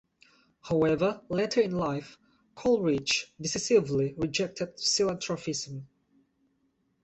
However, later in life Coleridge decisively rejected psilanthropism.